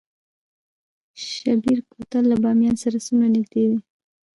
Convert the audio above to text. شیبر کوتل له بامیان سره څومره نږدې دی؟